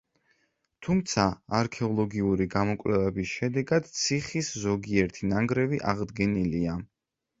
თუმცა, არქეოლოგიური გამოკვლევების შედეგად ციხის ზოგიერთი ნანგრევი აღდგენილია.